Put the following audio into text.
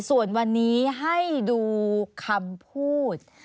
ส่วนวันนี้ให้ดูคำพูด